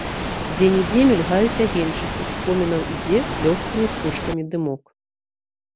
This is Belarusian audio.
Дзе-нідзе мільгаюць агеньчыкі, з комінаў ідзе лёгкімі стужкамі дымок.